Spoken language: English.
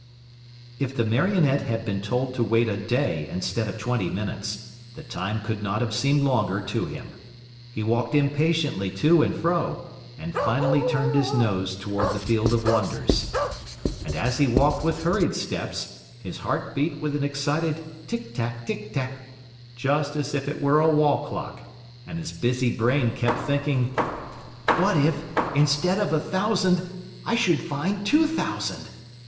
If the Marionette had been told to wait a day instead of twenty minutes, the time could not have seemed longer to him. He walked impatiently to and fro and finally turned his nose toward the Field of Wonders. And as he walked with hurried steps, his heart beat with an excited tic, tac, tic, tac, just as if it were a wall clock, and his busy brain kept thinking: "What if, instead of a thousand, I should find two thousand?